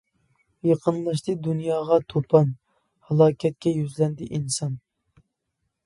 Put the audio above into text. يېقىنلاشتى دۇنياغا توپان، ھالاكەتكە يۈزلەندى ئىنسان!